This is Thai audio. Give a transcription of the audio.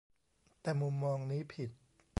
แต่มุมมองนี้ผิด